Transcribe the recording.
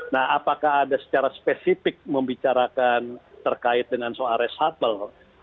nah apakah ada secara spesifik membicarakan terkait dengan soal reshuffle